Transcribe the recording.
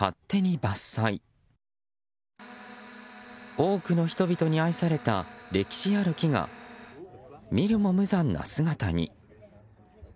多くの人々に愛された歴史ある木が見るも無残な姿に。